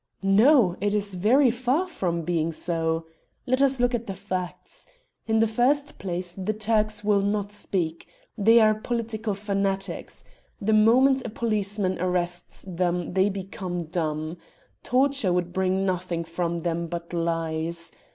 "No; it is very far from being so. Let us look at the facts. In the first place the Turks will not speak. They are political fanatics. The moment a policeman arrests them they become dumb. Torture would bring nothing from them but lies.